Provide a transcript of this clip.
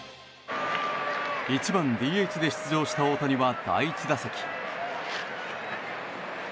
１番ＤＨで出場した大谷は第１打席。